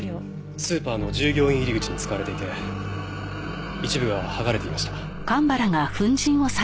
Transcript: スーパーの従業員入り口に使われていて一部がはがれていました。